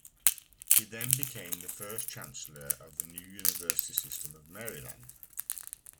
He then became the first chancellor of the new University System of Maryland.